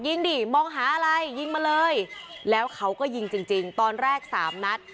ยิงดิมองหาอะไรยิงมาเลยแล้วเขาก็ยิงจริงจริงตอนแรกสามนัด